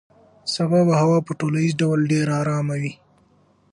سبا به هوا په ټولیز ډول ډېره ارامه وي.